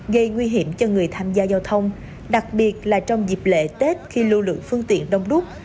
gây nguy hiểm cho người tham gia giao thông đặc biệt là trong dịp lễ tết khi lưu lượng phương tiện đông đúc